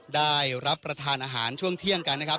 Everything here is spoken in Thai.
ได้รับประทานอาหารช่วงเที่ยงกันนะครับ